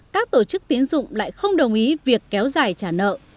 các tổ chức tiến dụng lại không đồng ý việc kéo dài trả nợ